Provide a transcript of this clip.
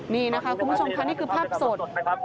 นี่นะคะคุณผู้ชมค่ะนี่คือภาพสด